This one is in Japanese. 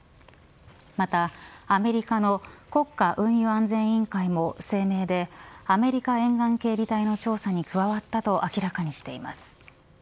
また、アメリカの国家運輸安全委員会も声明でアメリカ沿岸警備隊の調査に加わったと明らかにしています。